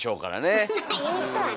フフッまあ言う人はね。